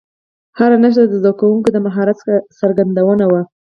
هره نښه د زده کوونکو د مهارت څرګندونه وه.